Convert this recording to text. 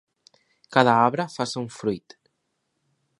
Cada arbre fa son fruit.